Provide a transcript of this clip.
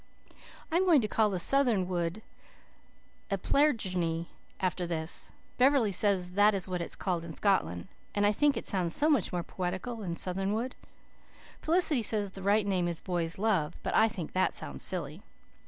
"I am going to call the southernwood 'appleringie' after this. Beverley says that is what they call it in Scotland, and I think it sounds so much more poetical than southernwood. Felicity says the right name is 'Boy's Love,' but I think that sounds silly.